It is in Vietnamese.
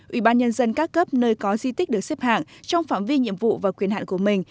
ủy ban nhân dân các cấp nơi có di tích được xếp hạng trong phạm vi nhiệm vụ và quyền hạn của mình